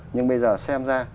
nhưng bây giờ xem ra